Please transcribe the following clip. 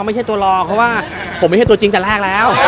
ไม่ใช่ตัวรอเพราะว่าผมไม่ใช่ตัวจริงแต่แรกแล้ว